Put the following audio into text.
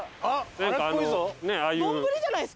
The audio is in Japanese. あっ！